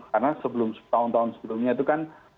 karena tahun tahun sebelumnya itu kan